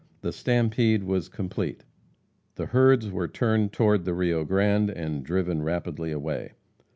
The "stampede" was complete. The herds were turned toward the Rio Grande, and driven rapidly away.